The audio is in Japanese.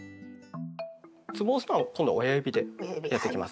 つぼを押すのは今度は親指でやっていきます。